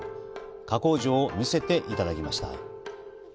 加工場を見せていただきました。